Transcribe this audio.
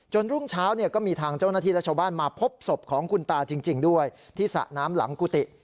รุ่งเช้าเนี่ยก็มีทางเจ้าหน้าที่และชาวบ้านมาพบศพของคุณตาจริงด้วยที่สระน้ำหลังกุฏิ